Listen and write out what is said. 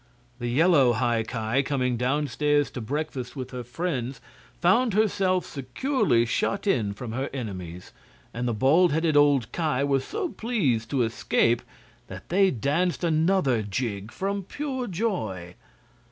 The yellow High Ki, coming downstairs to breakfast with her friends, found herself securely shut in from her enemies, and the bald headed old Ki were so pleased to escape that they danced another jig from pure joy.